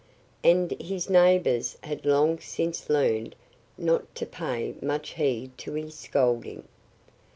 And his neighbors had long since learned not to pay much heed to his scolding.